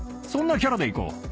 そんなキャラでいこう。